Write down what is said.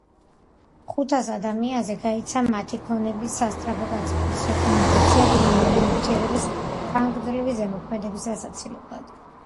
ხუთას ადამიანზე გაიცა მათი ქონების სასწრაფო გაწმენდის რეკომენდაცია ქიმიური ნივთიერების ხანგრძლივი ზემოქმედების ასაცილებლად.